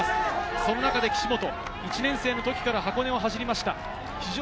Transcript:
その中で岸本は１年生の時から箱根を走りました。